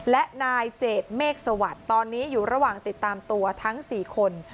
และนายเจดเมฆสวัสดิ์ตอนนี้อยู่ระหว่างติดตามตัวทั้ง๔คน